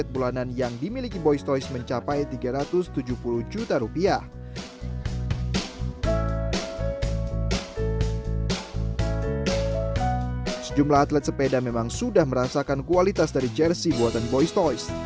bayu memang sudah merasakan kualitas dari jersey buatan boy's toys